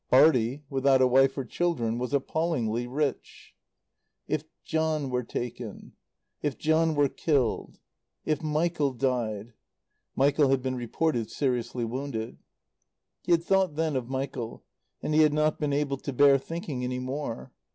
Bartie, without a wife or children, was appallingly rich. If John were taken. If John were killed If Michael died Michael had been reported seriously wounded. He had thought then of Michael. And he had not been able to bear thinking any more.